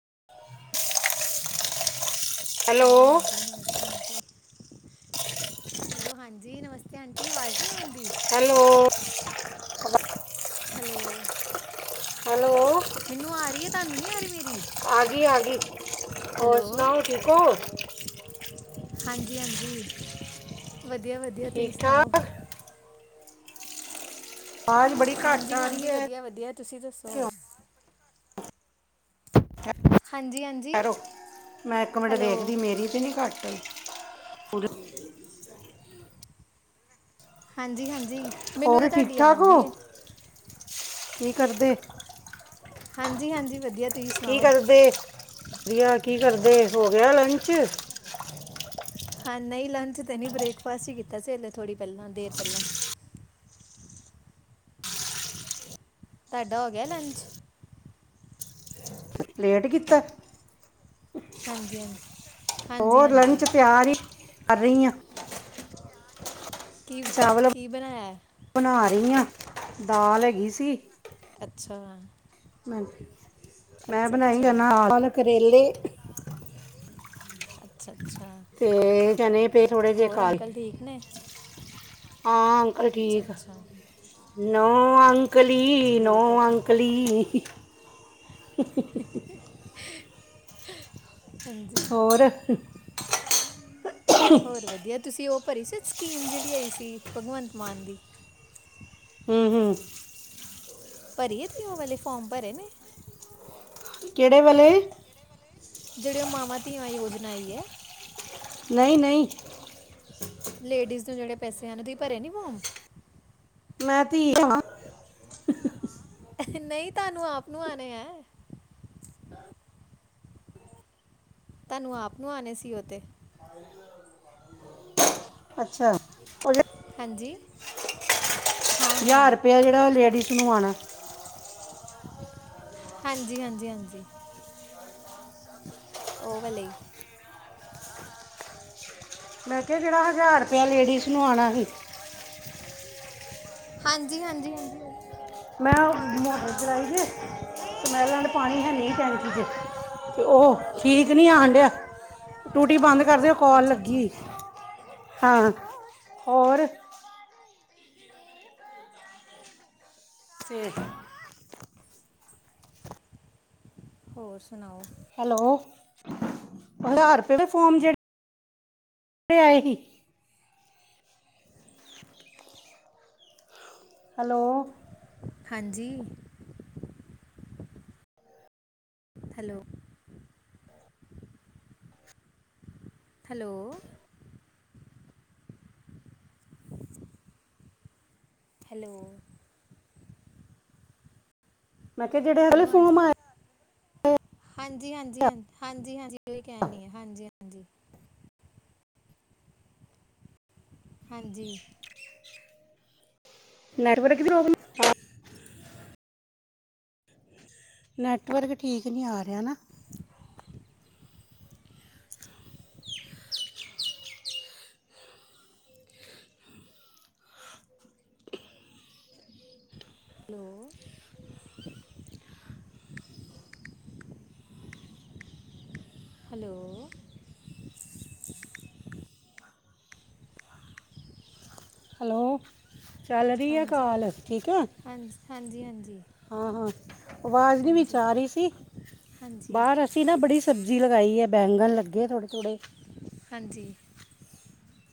[unintelligible] Hello ਹਾਂਜੀ ਨਮਸਤੇ aunty. Hello ਹਾਂਜੀ, ਨਮਸਤੇ ਆਂਟੀ ਅਵਾਜ਼ ਨੀ ਆਦੀ। ਹੈਲੋ। ਹੈਲੋ। ਹੈਲੋ। ਮੈਨੂੰ ਆ ਰਹੀ ਹੈ, ਤੁਹਾਨੂੰ ਨੀ ਆ ਰਹੀ ਮੇਰੀ। ਆਗੀ-ਆਗੀ ਹੋਰ ਹੈਲੋ ਸੁਣਾਓ ਠੀਕ ਹੋ? ਹਾਂਜੀ-ਹਾਂਜੀ। ਵਧੀਆ-ਵਧੀਆ, ਤੁਸੀ ਠੀਕ ਸੁਣਾਓ? ਠਾਕ ਵਾਜ਼ ਬੜੀ ਘੱਟ ਹਾਂਜੀ ਆ ਰੀ ਹਾਂਜੀ ਐ। ਵਧੀਆ ਵਧੀਆ ਤੁਸੀਂ ਦੱਸੋ? ਹਾਂਜੀ ਹਾਂਜੀ ਠੇਹਰੋ ਮੈਂ ਏਕ ਮਿੰਟ ਹੈਲੋ ਦੇਖਦੀ ਮੇਰੀ ਤੇ ਨੀ ਘੱਟ। [unintelligible] ਹਾਂਜੀ-ਹਾਂਜੀ। ਹੋਰ ਠੀਕ ਠਾਕ ਹੋ, ਕੀ ਕਰਦੇ? ਹਾਂਜੀ-ਹਾਂਜੀ ਵਧੀਆ। ਤੁਸੀਂ ਕੀ ਸੁਣਾਓ ਕਰਦੇ? ਵਿਆ ਕੀ ਕਰਦੇ, ਹੋ ਗਿਆ ਲੰਚ? ਹਾਂ ਨਹੀ ਲੰਚ ਤੇ ਨੀ ਬ੍ਰੇਕਫਾਸਟ ਈ ਕੀਤਾ ਸੀ, ਹਲੇ ਥੋੜ੍ਹੀ ਪਹਿਲਾਂ ਦੇਰ ਪਹਿਲਾਂ। ਤਾਡਾ ਹੋ ਗਿਆ ਲੰਚ? ਲੇਟ ਕੀਤਾ। ਹੋਰ ਹਾਂਜੀ-ਹਾਂਜੀ-ਹਾਂਜੀ-ਹਾਂਜੀ। ਲੰਚ ਤਿਆਰ ਹੀ ਕਰ ਰਹੀ ਆਂ। ਕੀ ਚਾਵਲ ਕੀ ਬਣਾਇਆ ਹੈ? ਬਣਾ ਈ ਆਂ ਦਾਲ ਹੈਗੀ ਸੀ। ਅੱਛਾ। ਮੈਂ ਅੱਛਾ ਅੱਛਾ ਬਣਾਈ ਨਾਲ ਕਰੇਲੇ। ਅੱਛਾ। ਅੱਛਾ ਤੇ ਚਣੇ ਪਏ ਥੋੜੇ ਜੇ ਹੋਰ ਕਾਲੇ, ਅੰਕਲ ਠੀਕ ਨੇ ਹਾਂ। ਚਲ ਅੱਛਾ ਠੀਕ ਆ। ਅੱਛਾ ਨੌ ਅਂਕਲੀ ਨੌ ਠੀਕ ਹੈ ਠੀਕ ਅਂਕਲੀ [unintelligible] [unintelligible] ਹੋਰ। ਹੋਰ ਵਧੀਆ ਤੁਸੀ ਔ ਭਰੀ ਸੀ ਸਕੀਮ ਜੇੜੀ ਆਈ ਸੀ ਭਗਵੰਤ ਮਾਨ ਦੀ। ਹੂੰ-ਹੂੰ। ਭਰੀਏ ਤੁਹੀ ਔ ਵਾਲੇ ਫੋਮ ਭਰੇ ਨੇ? ਕਿਹੜੇ ਵਾਲੇ? ਜੇੜੇ ਔ ਮਾਵਾਂ ਧੀਆਂ ਯੋਜਨਾ ਆਈ ਐ। ਨਈ-ਨਈ। ਲੇਡੀਜ਼ ਨੂੰ ਜੇੜੇ ਪੈਸੇ ਆਣੇ, ਤੁਸੀ ਭਰੇ ਨੀ ਫੋਮ? ਮੈਂ ਧੀ ਆ। ਨਈ ਤੁਹਾਨੂੰ ਆਪ ਨੂੰ ਆਣੇ ਹੈ। ਤੁਹਾਨੂੰ ਆਪ ਨੂੰ ਆਣੇ ਸੀ ਓ ਤੇ। ਅੱਛਾ। ਹਾਂਜੀ- ਹਾਂ ਹਜ਼ਾਰ ਹਾਂ ਰੁਪਇਆ ਜੇੜਾ ਲੇਡੀਜ਼ ਨੂੰ ਆਣਾ। ਹਾਂਜੀ-ਹਾਂਜੀ-ਹਾਂਜੀ। ਓ ਵਾਲੇ। ਮੈਂ ਕਿਹਾ ਜੇੜਾ ਹਜ਼ਾਰ ਰੁਪਇਆ ਲੇਡੀਸ ਨੂੰ ਆਣਾ ਹੀ। ਹਾਂਜੀ-ਹਾਂਜੀ-ਹਾਂਜੀ ਓਹੀ ਵਾਲੇ ਮੈਂ ਓ ਮੋਟਰ ਚਲਾਈ ਜੇ- ਮਹਿਲਾਂ ਪਾਣੀ ਹੈਨੀ ਟੈਂਕੀ ਚ ਤੇ ਓਹ ਠੀਕ ਨੀ ਆ ਆਣ ਡਿਆ। ਟੂਟੀ ਬੰਦ ਕਰਦੋ ਕਾਲ ਅੱਛਾ ਲੱਗੀ ਅੱਛਾ ਹੋਈ। ਹਾਂ ਹੋਰ। ਤੇ- ਹੋਰ ਸੁਣਾਓ? ਹੈਲੋ, ਹਡਾਂਰ ਪੇ ਦੇ ਫੋਮ ਜੇੜੇ ਤੇ ਆਏ ਹੀ। ਹੈਲੋ- ਹਾਂਜੀ- ਹੈਲੋ- ਹੈਲੋ- ਹੈਲੋ- ਮੈਂ ਕਿਹਾ ਜਿਹੜੇ ਹਲੇ ਫੋਮ ਆਏ- ਹਾਂਜੀ-ਹਾਂਜੀ ਹ ਹਾਂਜੀ-ਹਾਂਜੀ ਉਹੀ ਕਹਿਣੀ ਆ ਹਾਂਜੀ-ਹਾਂਜੀ। ਹਾਂਜੀ। ਨੈਟ ਵਰਕ ਦੀ ਪਰੋਬਲਮ- ਨੈੱਟਵਰਕ ਠੀਕ ਨਹੀਂ ਆ ਰਿਹਾ ਨਾ- ਹੈਲੋ ਹੈਲੋ ਹੈਲੋ ਚੱਲ ਰਹੀ ਹੈ ਹਾਂਜੀ ਕਾਲ ਠੀਕ ਹੈ। ਹਾਂਜੀ ਹਾਂਜੀ ਹਾਂਜੀ ਹਾਂ ਹਾਂ ਆਵਾਜ਼ ਨੀ ਵਿਚ ਹਾਂਜੀ ਆ ਰਹੀ ਸੀ। ਹਾਂਜੀ ਬਾਹਰ ਅਸੀਂ ਨਾ ਬੜੀ ਸਬਜ਼ੀ ਲਗਾਈ ਹੈ ਬੈਗਣ ਲੱਗੇ ਥੋੜੇ ਥੋੜੇ। ਹਾਂਜੀ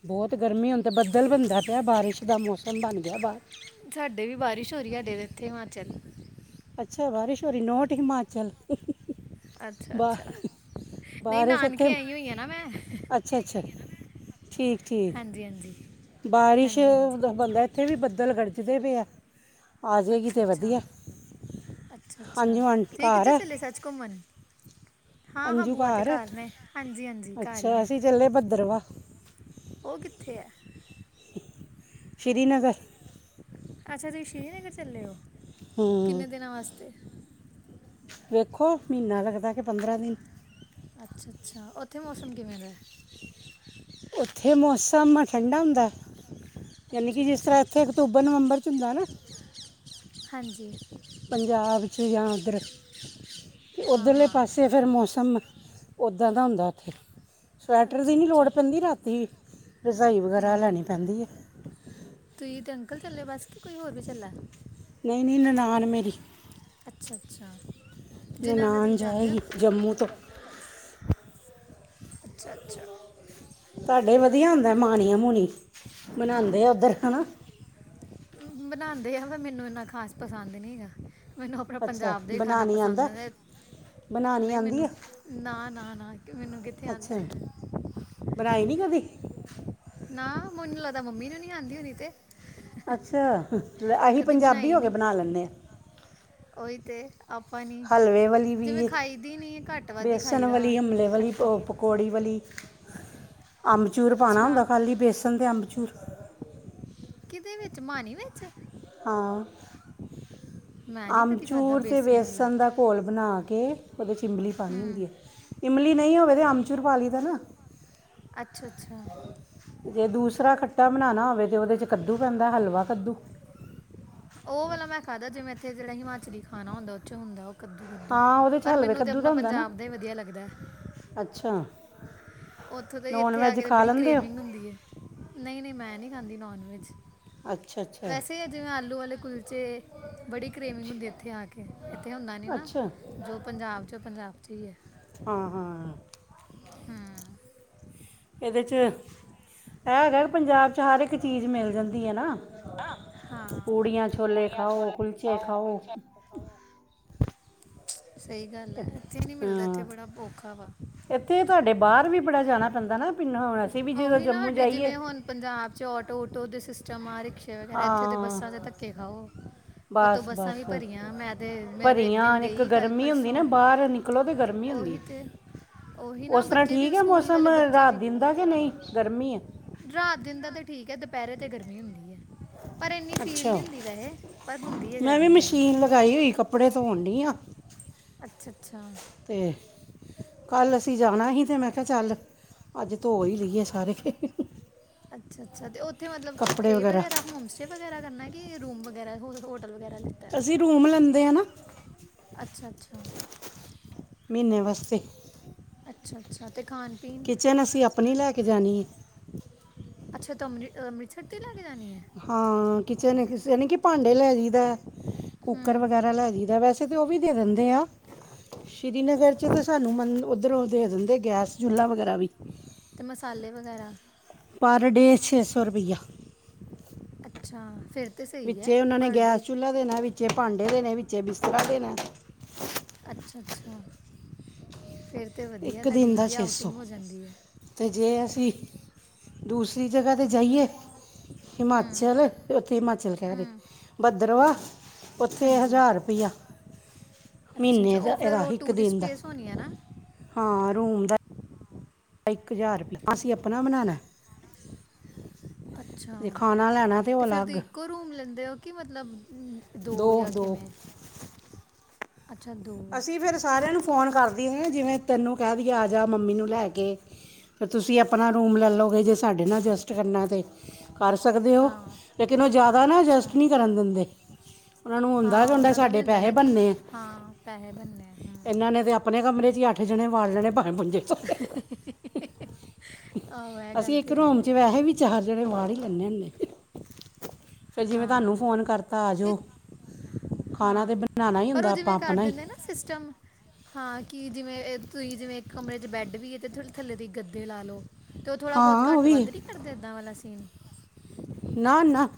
ਬਹੁਤ ਗਰਮੀ ਹੁੰਦੀ ਤੇ ਬੱਦਲ ਬਣਦਾ ਪਿਆ ਬਾਰਿਸ਼ ਦਾ ਮੌਸਮ ਬਣ ਗਿਆ ਬਾਹਰ। ਸਾਡੇ ਵੀ ਬਾਰਿਸ਼ ਹੋ ਰਹੀ ਸਾਡੇ ਇੱਥੇ ਹਿਮਾਚਲ। ਅੱਛਾ ਬਾਰਿਸ਼ ਹੋ ਰਹੀ ਨੋਟ ਹਿਮਾਚਲ। ਅੱਛਾ ਅੱਛਾ ਬਾਹ ਨਹੀਂ ਬਾਰਿਸ਼ ਉੱਥੇ ਨਾਨਕੇ ਆਈ ਹੋਈ ਆ ਨਾ ਮੈਂ ਅੱਛਾ ਅੱਛਾ ਠੀਕ ਠੀਕ ਹਾਂਜੀ ਹਾਂਜੀ ਬਾਰਿਸ਼ ਹਾਂਜੀ ਹਾਂਜੀ ਦਾ ਬੰਦਾ ਇੱਥੇ ਵੀ ਬੱਦਲ ਗਰਜ ਗਰਜਦੇ ਪਏ ਆ ਜਾਏਗੀ ਤੇ ਵਧੀਆ। ਅੱਛਾ-ਅੱਛਾ ਹਾਂਜੀ ਮਨ ਤੁਸੀ ਘਰ ਕਿੱਥੇ ਹੈ ਚੱਲੇ ਸੱਚ ਘੁੰਮਣ? ਹਾਂ-ਹਾਂ ਅੰਜੂ ਬੂਆ ਤੇ ਘਰ ਘੱਰ ਨੇ ਹਾਂਜੀ-ਹਾਂਜੀ ਘੱਰ ਹੀ ਅੱਛਾ ਨੇ- ਅਸੀਂ ਚੱਲੇ ਭੱਦਰਵਾ ਉਹ ਕਿੱਥੇ ਐ? ਸ਼੍ਰੀਨਗਰ- ਅੱਛਾ ਤੁਸੀਂ ਸ਼੍ਰੀਨਗਰ ਚੱਲੇ ਹੋ, ਹੂੰ ਕਿੰਨੇ ਦਿਨਾਂ ਵਾਸਤੇ? ਵੇਖੋ ਮਹੀਨਾ ਲੱਗਦਾ ਕੇ ਪੰਦਰਾਂ ਦਿਨ- ਅੱਛਾ-ਅੱਛਾ ਉੱਥੇ ਮੌਸਮ ਕਿਵੇਂ ਦਾ ਐ? ਉੱਥੇ ਮੌਸਮ ਠੰਡਾ ਹੁੰਦਾ ਯਾਨੀ ਕਿ ਅੱਛਾ ਜਿਸ ਤਰ੍ਹਾਂ ਅੱਛਾ ਇੱਥੇ ਅਕਤੂਬਰ ਨਵੰਬਰ ਹੁੰਦਾ ਨਾ- ਹਾਂਜੀ। ਪੰਜਾਬ 'ਚ ਜਾਂ ਉੱਧਰ ਹਾਂ ਉੱਧਰਲੇ ਹਾਂ ਪਾਸੇ ਫਿਰ ਮੌਸਮ- ਉੱਦਾਂ ਦਾ ਹੁੰਦਾ। ਉੱਥੇ ਸਵੈਟਰ ਅੱਛਾ ਦੀ ਨਹੀਂ ਅੱਛਾ ਲੋੜ ਹੂੰ ਪੈਂਦੀ ਰਾਤੀ। ਰਜਾਈ ਵਗੈਰਾ ਹੂੰ ਲੈਣੀ ਪੈਂਦੀ ਹੈ? ਤੁਸੀਂ ਤੇ ਅੰਕਲ ਚੱਲੇ ਬਸ ਕੀ ਕੋਈ ਹੋਰ ਵੀ ਚਲਾ? ਨਹੀਂ ਨਹੀਂ ਨਨਾਾਨ ਮੇਰੀ। ਅੱਛਾ ਅੱਛਾ ਜਿਨ੍ਹਾਂ ਦਾ ਨਨਾਨ ਤੁਸੀਂ ਜਾਂਦੇ ਜਾਏਗੀ ਹੁੰਦੇ ਹੋ? ਜੰਮੂ ਤੋਂ। ਅੱਛਾ ਅੱਛਾ ਸਾਡੇ ਵਧੀਆ ਹੁੰਂਦਾ ਮਾਣੀਆ ਮੁੂਨੀ ਮਨਾਉਂਦੇ ਆ ਉੱਧਰ ਹੈ ਨਾ। ਬਣਾਉਂਦੇ ਆ ਪਰ ਮੈਨੂੰ ਇੰਨਾ ਖਾਸ ਪਸੰਦ ਨਾਹੀ ਹੈਗਾ। ਮੈਨੂੰ ਆਪਣਾ ਅੱਛਾ ਪੰਜਾਬ ਦਾ ਹੀ ਖਾਣਾ ਬਣਾਣੀ ਪਸੰਦ ਆਂਦਾ ਹੈ। ਬਣਾਣੀ ਨਹੀਂ ਆਂਦੀ ਮੈਨੂੰ ਆ ਨਾ ਨਾ ਨਾ ਮੈਨੂੰ ਕਿੱਥੇ ਅੱਛਾ ਆਉਂਦਾ। ਬਣਾਈ ਨੀ ਕਦੀ? ਨਾ ਮੈਨੂੰ ਲਗਦਾ ਮੰਮੀ ਨੂੰ ਨੀ ਆਂਦੀ ਹੋਣੀ ਤੇ। ਅੱਛਾ ਅਸੀਂ ਕਦੀ ਪੰਜਾਬੀ ਬਣਾਈ ਹੋ ਕੇ ਨਹੀਂ ਬਣਾ ਲੈਂਦੇ ਆ। ਉਹੀ ਤੇ ਆਪਾਂ ਨਹੀਂ ਹਲਵੇ ਵਾਲੀ ਜਿਵੇਂ ਵੀ ਖਾਈਦੀ ਨਹੀਂ ਹੈ ਘੱਟ ਵੱਧ ਹੀ ਬੇਸਣ ਖਾਈਦਾ ਵਾਲੀ ਵਾ ਹਲਵੇ ਵਾਲੀ ਖੱਟਾ ਪਕੌੜੀ ਵਾਲੀ ਅੰਬਚੂੂਰ ਪਾਣਾ ਅੱਛਾ ਹੁੰਦਾ ਖਾਲੀ ਬੇਸਨ ਤੇ ਅੰਬਚੂੂਰ। ਕਿਹਦੇ ਵਿੱਚ? ਮਾਣੀ ਵਿੱਚ? ਹਾ ਮੈਂ ਨਹੀਂ ਕਦੀ ਖਾਦਾ ਅਮਚੂਰ ਤੇ ਬੇਸਨ ਵਾਲਾ ਵੇਸਣ ਦਾ ਘੋਲ ਬਣਾ ਕੇ। ਉਹਦੇ ਚ ਇਮੰਲੀ ਪਉਣੀ ਹੁੰਦੀ ਹੂੰ ਏ, ਇਮਲੀ ਨਹੀਂ ਹੋਵੇ ਤਾਂ ਅਮਚੂਰ ਪਾ ਲਈ ਦਾ ਨਾ। ਅੱਛਾ ਅੱਛਾ। ਜੇ ਦੂਸਰਾ ਖੱਟਾ ਬਣਾਉਣਾ ਹੋਵੇ ਤਾਂ ਉਹਦੇ ਚ ਕੱਦੂ ਪੈਂਦਾ, ਹਲਵਾ ਕੱਦੂ। ਉਹ ਵਾਲਾ ਮੈਂ ਖਾਦਾ ਜਿਵੇਂ ਇੱਥੇ ਜਿਹੜਾ ਹਿਮਾਚਲੀ ਖਾਣਾ ਹੁੰਦਾ ਔਧੇ ਚ ਹੁੰਦਾ। ਕੱਦੂ ਕੱਦੂ ਹਾਂ ਉਹਦੇ ਚ ਪਰ ਹਲਵੇ ਮੈਨੂੰ ਤੇ ਕੱਦੂ ਅਪਣਾ ਦਾ ਹੁੰਦਾ ਨਾ ਪੰਜਾਬ ਦਾ ਈ ਵਧੀਆ ਲੱਗਦਾ ਐ। ਅੱਛਾ ਓਥੋਂ ਤੋ ਨੋਨ ਇੱਥੇ ਆ ਵੈਜ ਕੇ ਖਾ ਬੜੀ ਲੈਂਦੇ ਹੋ ਕੇ੍ਮਿੰਗ ਹੁੰਦੀ ਏ। ਨਹੀਂ, ਨਹੀਂ ਮੈਂ ਨੀ ਖਾਂਦੀ ਨੋਨ- ਵੈਜ। ਅੱਛਾ ਅੱਛਾ ਵੈਸੇ ਏ ਜਿਵੇਂ ਆਲੂ ਵਾਲੇ ਕੁਲਚੇ। ਬੜੀ ਕੇ੍ਮਿੰਗ ਹੁੰਦੀ ਇੱਥੇ ਆ ਕੇ। ਇੱਥੇ ਹੁੰਦਾ ਨੀ ਨਾ, ਅੱਛਾ ਜੋ ਪੰਜਾਬ ਚ, ਪੰਜਾਬ ਚ ਹੀ ਹੈ। ਹਾਂ-ਹਾਂ, ਹੂੰ, ਇਹਦੇ ਚ ਇਹ ਹੇਗਾ ਨੀ ਪੰਜਾਬ ਚ ਹਰ ਇੱਕ ਚੀਜ਼ ਮਿਲ ਜਾਂਦੀ ਹੈ ਨਾ, ਹਾਂ ਪੂੜੀਆਂ ਚ ਛੋਲੇ ਖਾਓ, ਕੁਲਚੇ ਖਾਓ ਸਹੀ ਗੱਲ ਏ, ਇੱਥੇ ਨੀ ਮਿਲਦਾ, ਇੱਥੇ ਬੜਾ ਔਖਾ ਵਾ ਥੋੜਾ ਜਾਣਾ ਪੈਂਦਾ ਨਾ ਪਿੰਡਾਂ ਵਲ ਉਹੀ ਨਾ ਸਾਡੇ ਜਿਵੇਂ ਹੁਣ ਪੰਜਾਬ ਚ ਔਟੋ-ਔਟੋ ਦੇ ਸਿਸਟਮ ਆ ਰਹੇ ਰਿਕਸ਼ੇ ਵਗੈਰਾ ਇੱਥੇ ਤੇ ਬੱਸਾਂ ਚ ਧੱਕੇ ਖਾਓ। ਉਦੋਂ ਬੱਸਾਂ ਬਸ-ਬਸ ਵੀ ਭਰੀਆਂ ਮੈਂ ਤੇ ਮੇਰੇ ਭਰੀਆਂ ਦਿਨ ਇੱਕ ਗਈ ਕੱਲ ਗਰਮੀ ਹੁੰਦੀ ਨਾ ਪਰਸੋਂ ਬਾਹਰ ਨਿਕਲੋ ਤੇ ਗਰਮੀ ਹੁੰਦੀ ਉਹੀ ਤੇ ਉਹੀ ਨਾ ਉਸ ਤਰ੍ਹਾਂ ਬੱਚੇ ਵੀ ਠੀਕ ਹੈ ਸਕੂਲ ਮੌਸਮ ਵਾਲੇ ਰਾਤ-ਦਿਨ ਦਾ ਕਿ ਨਹੀ, ਗਰਮੀ ਏ ਰਾਤ-ਦਿਨ ਦਾ ਤੇ ਠੀਕ ਹੈ, ਦੁਪਹਿਰੇ ਤੇ ਗਰਮੀ ਹੁੰਦੀ ਹੈ। ਪਰ ਇਨੀ ਫੀਲ ਅੱਛਾ ਨਹੀਂ ਹੁੰਦੀ ਵੈਹੇ ਪਰ ਹੁੰਦੀ ਹੈ ਮੈਂ ਵੀ ਗਰਮੀ ਮਸ਼ੀਨ ਵੈਹੇ। ਲਗਾਈ ਹੋਈ ਕੱਪੜੇ ਧੋਣ ਡਈ ਆ। ਅੱਛਾ- ਅੱਛਾ। ਤੇ ਕੱਲ ਅਸੀਂ ਜਾਣਾ ਹੀ ਤੇ, ਮੈਂ ਕਿਹਾ ਚੱਲ ਅੱਜ ਧੋ ਹੀ ਲਈਏ ਸਾਰੇ। ਅੱਛਾ, ਅੱਛਾ ਤੇ ਉੱਥੇ ਮਤਲਬ ਸਟੇ ਵਗੈਰਾ, ਹੋਮ ਸਟੇ ਵਗੈਰਾ ਕਰਨਾ ਕਿ ਰੂਮ ਵਗੈਰਾ। ਵਗੈਰਾ ਲਿੱਤਾ ਹੈ? ਅਸੀਂ ਰੂਮ ਲੈਂਦੇ ਆ ਨਾ। ਅੱਛਾ ਅੱਛਾ। ਮਹੀਨੇ ਵਾਸਤੇ ਅੱਛਾ ਅੱਛਾ, ਤੇ ਖਾਣ ਪੀਣ ਕਿਚਨ ਅਸੀਂ ਆਪਣੀ ਲੈ ਕੇ ਜਾਣੀ ਏ। ਅੱਛਾ ਤਾਂ [unintelligible] ਹਾਂ ਕਿਚਨ ਯਾਨੀ ਕਿ ਭਾਂਡੇ ਲੈਜੀ ਦਾ ਕੁੱਕਰ ਹੂੰ ਵਗੈਰਾ ਲੈਜੀ ਦਾ ਵੈਸੇ ਉਹ ਵੀ ਦੇ ਦਿੰਦੇ ਆ ਸ੍ਰੀਨਗਰ ਚ ਤੇ ਸਾਨੂੰ ਮਨ ਓਧਰੋਂ ਦੇ ਦਿੰਦੇ ਗੈਸ ਚੁਲਾ ਵਗੈਰਾ ਵੀ ਤੇ ਮਸਾਲੇ ਵਗੈਰਾ ਛੇ ਸੌ ਰੁਪਈਆ ਅੱਛਾ, ਫਿਰ ਤਾਂ ਸਹੀ ਹੈ, ਵਿੱਚੇ ਉਹਨਾਂ ਨੇ ਪਰ ਡੇ ਗੈਸ ਚੁੱਲ੍ਹਾ ਦੇਣਾ ਵਿੱਚੇ ਭਾਂਡੇ ਵੀ ਨੇ ਵਿੱਚੇ ਬਿਸਤਰਾ ਦੇਨਾ। ਅੱਛਾ-ਅੱਛਾ। ਇੱਕ ਦਿਨ ਦਾ ਛੇ ਸੌ, ਹੈ ਤੇ ਜੇ ਅਸੀ ਦੂਸਰੀ ਜਗ੍ਹਾ ਤੇ ਜਾਈਏ ਹੂੰ ਹਿਮਾਚਲ ਉੱਥੇ ਹਿਮਾਚਲ ਕਹ ਰਹੀ, ਹੂੰ ਭਦੱਰਵਾ ਉਥੇ ਹਜ਼ਾਰ ਰੁਪਇਆ। ਅੱਛਾ-ਅੱਛਾ, ਮਹੀਨੇ ਦਾ ਉਹ ਫਿਰ ਇਹਦਾ ਉਹ ਇੱਕ ਟੂਰਿਸਟ ਦਿਨ ਦਾ ਪਲੇਸ ਹੋਣੀ ਹੈ ਨਾ। ਹਾਂ, ਰੂਮ ਦਾ ਇੱਕ ਹਜ਼ਾਰ ਰਪੀ, ਅਸੀਂ ਆਪਣਾ ਬਣਾਣਾ। ਅੱਛਾ ਉਹ ਤੇ ਫੇਰ ਅਲੱਗ ਤੁਸੀਂ ਇੱਕੋ ਰੂਮ ਲੈਂਦੇ ਹੋ ਕਿ ਮਤਲਬ ਮ, ਦੋ ਜਾਂ ਦੋ-ਦੋ। ਕਿਵੇਂ ਅੱਛਾ ਦੋ। ਨੂੰ ਫੋਨ ਕਰਦੀ ਏ ਜਿਵੇਂ ਤੈਨੂੰ ਕਹਿ ਦਈਏ ਆ ਜਾ ਮੰਮੀ ਨੂੰ ਲੈ ਕੇ। ਫੇਰ ਤੁਸੀਂ ਆਪਣਾ ਰੂਮ ਲੈ ਲਓਗੇ ਜੇ ਸਾਡੇ ਨਾਲ ਅਡਜਸਟ ਕਰਨਾ ਤੇ ਕਰ ਸਕਦੇ ਹੋ ਹਾਂ ਲੇਕਿਨ ਉਹ ਜ਼ਿਆਦਾ ਨਾ ਐਡਜਸਟ ਅੱਛਾ ਨੀ ਕਰਨ ਦਿੰਦੇ। ਉਹਨਾ ਨੂੰ ਹੁੰਦਾ ਹਾਂ ਹੁਣ ਤੇ ਉਹਨਾਂ ਦਾ ਵੀ ਸਾਡੇ ਹੁੰਦਾ ਪੈਸੇ ਨਾ ਕਿ ਬੰਨੇ ਆ। ਹਾਂ ਪੈਸੇ ਬਣਨੇ ਅ ਇਹਨਾਂ ਨੇ ਤੇ ਆਪਣੇ ਕਮਰੇ ਚ ਅੱਠ ਜਣੇ ਵਾਰ ਲੇਣੇ ਭਾਵੇਂ ਭੁੰਜੇ। ਆਹੋ ਇਹ ਅਸੀਂ ਗੱਲ ਇੱਕ ਤੇ ਹੈਗੀ ਰੋਮ ਹੈ ਚ ਵੈਸੇ ਵੀ ਚਾਰ ਜਣੇ ਵਾਰ ਪ੍ਹੀ ਲੇ ਹੁੰਦੇ। ਫਿਰ ਜਿਵੇਂ ਤੁਹਾਨੂੰ ਹਾਂ ਫ਼ੋਨ ਕਰਤਾ ਆ ਇਹ ਜਾਓ, ਖਾਣਾ ਤਾਂ ਹਾਂ ਬਨਾਣਾ ਹੀ ਪਰ ਹੁੰਦਾ ਉਹ ਆਪਾਂ ਜਿਵੇਂ ਕਰ ਆਪਣਾ ਹੀ। ਦਿੰਦੇ ਨਾ ਸਿਸਟਮ ਹਾਂ ਕਿ ਜਿਵੇਂ ਤੁਹੀਂ ਜਿਵੇਂ ਇੱਕ ਕਮਰੇ ਚ ਬੈਡ ਵੀ ਹੈ ਤੇ ਥੋੜੀ ਥੱਲੇ ਦੇ ਗੱਦੇ ਲਾ ਲਓ। ਤੇ ਉਹ ਥੋੜ੍ਹਾ ਬਹੁਤ ਹਾਂ ਉਹ ਘੱਟ ਵੀ ਵੱਧ ਨੀ ਕਰਦੇ ਏਦਾਂ ਵਾਲਾ ਸੀਨ। ਨਾ ਨਾ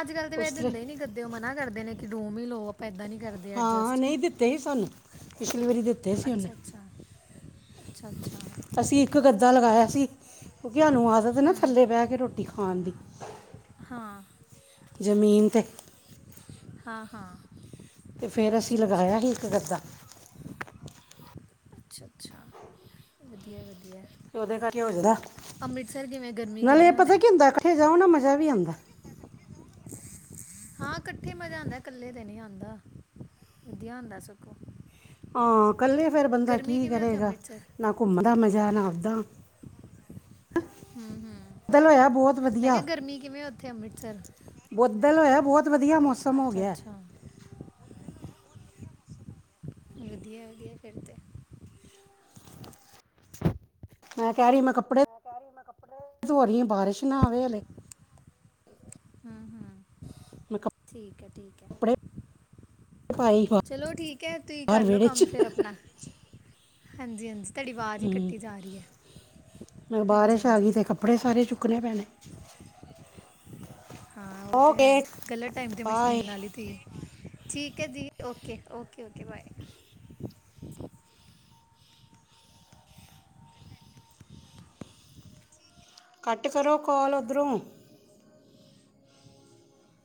ਅੱਜ-ਕੱਲ ਤੇ ਵੇਸੇ ਉਸ ਤਰ੍ਹਾਂ ਦਿੰਦੇ ਹੀ ਨੀ ਗੱਦੇ ਉਹ ਮਨਾ ਕਰਦੇ ਨੇ ਕਿ ਰੂਮ ਹੀ ਲੋਓ ਆਪ ਇਦਾਂ ਨੀ ਹਾਂ ਨਹੀਂ ਦਿੱਤੇ ਸੀ ਸਾਨੂੰ, ਪਿਛਲੀ ਵਾਰੀ ਦਿੱਤੇ ਸੀ ਉਹਨੇ। ਅੱਛਾ ਅੱਛਾ ਅੱਛਾ ਅੱਛਾ ਅਸੀਂ ਇੱਕ ਗੱਦਾ ਲਗਾਇਆ ਸੀ ਕਿਉਂਕਿ ਸਾਨੂੰ ਆਦਤ ਨਾ ਹੂੰ ਥੱਲੇ ਬਹਿ ਕੇ ਰੋਟੀ ਖਾ ਖਾਣ ਦੀ। ਹਾਂ। ਜ਼ਮੀਨ ਤੇ ਹਾਂ-ਹਾਂ। ਤੇ ਫਿਰ ਅਸੀਂ ਲਗਾਇਆ ਹੀ ਇੱਕ ਗੱਦਾ। ਅੱਛਾ-ਅੱਛਾ, ਵਧੀਆ ਵਧੀਆ। ਉਹਦੇ ਕਰਕੇ ਹੋਜਦਾ ਅੰਮ੍ਰਿਤਸਰ ਕਿਵੇਂ ਗਰਮੀ ਨਾਲੇ ਕਿਵੇਂ ਹੋਣਾ ਪਤਾ ਹੈ? ਕੀ ਹੁੰਦਾ ਜਾਓ ਨਾ ਮਜ਼ਾ ਵੀ ਆਂਦਾ। ਹਾਂ ਇਕੱਠੇ ਮਜਾ ਆਂਦਾ, ਕੱਲੇ ਤੇ ਨੀ ਆਂਦਾ ਵਧੀਆ ਹੁੰਦਾ ਸਗੋਂ। ਹਾਂ ਇਕੱਲੇ ਫੇਰ ਬੰਦਾ ਗਰਮੀ ਕੀ ਕਿਵੇਂ ਉੱਥੇ ਕਰੇਗਾ ਅੰਮ੍ਰਿਤਸਰ ਨਾ ਘੁੰਮਦਾ ਮੈਂ ਜਾਣਾ ਆਪ ਦਾ ਹੂ-ਹੂ, ਬੱਦਲ ਹੋਇਆ ਬਹੁਤ ਮੈਂ ਕਿਹਾ ਵਧੀਆ ਗਰਮੀ ਕਿਵੇਂ ਓਥੇ ਅੰਮ੍ਰਿਤਸਰ। ਬੱਦਲ ਹੋਇਆ ਬਹੁਤ ਵਧੀਆ ਮੌਸਮ ਹੋ ਅੱਛਾ ਗਿਆ। ਅੱਛਾ ਵਧੀਆ-ਵਧੀਆ ਫਿਰਤੇ। ਮੈਂ ਕਹਿ ਰਹੀ, ਮੈਂ ਕੱਪੜੇ ਧੋ ਰਹੀ ਆ, ਬਾਰਿਸ਼ ਨਾ ਆਵੇ ਹਲੇ। ਹੂੰ ਹੂੰ ਮੈਂ ਕੱਪ- ਠੀਕ ਹੈ, ਠੀਕ ਹੈ। ਕੱਪੜੇ ਪਾਈ ਚਲੋ ਠੀਕ ਹੈ, ਤੁਸੀਂ ਬਾਹਰ ਕਰਲੋ ਵਿਹੜੇ ਕੰਮ 'ਚ ਫਿਰ ਆਪਣਾ ਹਾਂਜੀ-ਹਾਂਜੀ। ਹੂੰ, ਮੈਂ ਹਾਂਜੀ ਬਾਰਿਸ਼ ਆ ਹਾਂਜੀ ਗਈ ਤੇ ਕੱਪੜੇ ਸਾਰੇ ਚੁੱਕੇ ਚੁੱਕਣੇ ਪੈਣੇ। ਹਾਂ ਉਹ ਤੇ ਓਕੇ ਹੈ, ਗਲਤ ਟਾਈਮ ਤੇ ਬਾਏ ਮਸ਼ੀਨ ਲਾ ਲਈ ਤੁਸੀਂ। ਠੀਕ ਹੈ ਦੀ, ਓਕੇ-ਓਕੇ-ਓਕੇ ਬਾਏ। ਕੱਟ ਕਰੋ ਕਾਲ ਉੱਧਰੋਂ।